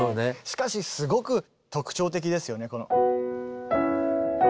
しかしすごく特徴的ですよねこの。